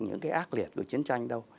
những cái ác liệt của chiến tranh đâu